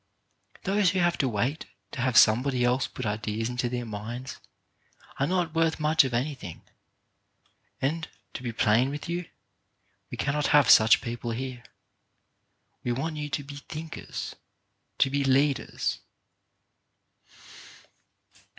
Those who have HELPING OTHERS 15 to wait to have somebody else put ideas into their minds are not worth much of anything. And, to be plain with you, we cannot have such people here. We want you to be thinkers, to be leaders.